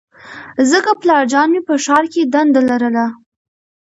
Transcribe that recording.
ځکه پلارجان مې په ښار کې دنده لرله